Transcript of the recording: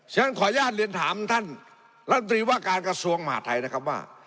ฉะนั้นขออนุญาตเรียนถามท่านรัฐมนตรีว่าการกระทรวงมหาดไทยนะครับว่า